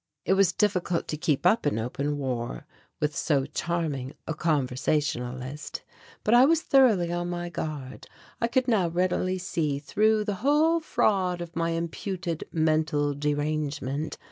It was difficult to keep up an open war with so charming a conversationalist, but I was thoroughly on my guard. I could now readily see through the whole fraud of my imputed mental derangement.